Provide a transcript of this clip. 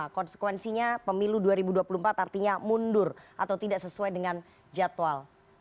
konsekuensinya pemilu dua ribu dua puluh empat artinya mundur atau tidak sesuai dengan jadwal